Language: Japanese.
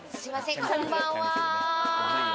こんばんは。